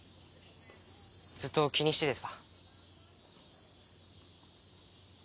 ずっと気にしててさ。